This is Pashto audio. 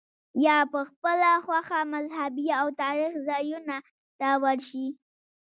یا په خپله خوښه مذهبي او تاریخي ځایونو ته ورشې.